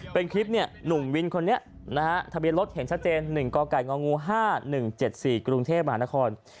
เป็นคลิปหนุ่มวินคนนี้นะฮะทะเบียนรถเห็นชัดเจน๑กกง๕๑๗๔กรุงเทพมหานคร